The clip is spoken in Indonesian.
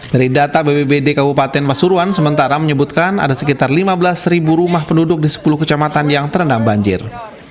dari data bpbd kabupaten pasuruan sementara menyebutkan ada sekitar lima belas rumah penduduk di sepuluh kecamatan yang terendam banjir